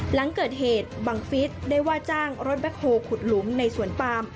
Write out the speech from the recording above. หลังเกิดเหตุบังฟิศได้ว่าจ้างรถแบ็คโฮลขุดหลุมในสวนปาม